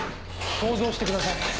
想像してください。